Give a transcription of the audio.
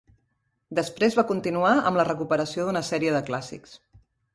Després, va continuar amb la recuperació d'una sèrie de clàssics.